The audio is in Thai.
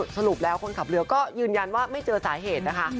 สรุปแล้วคนขับเรือก็ยืนยันว่าไม่เจอสาเหตุนะคะ